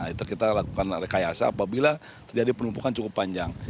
itu kita lakukan rekayasa apabila terjadi penumpukan cukup panjang